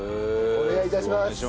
お願い致します。